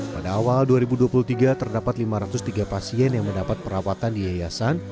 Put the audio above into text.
pada awal dua ribu dua puluh tiga terdapat lima ratus tiga pasien yang mendapat perawatan di yayasan